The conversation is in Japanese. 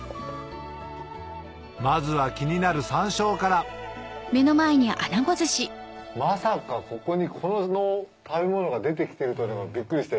まずは気になる山椒からまさかここにこの食べ物が出てきてるというのがビックリして。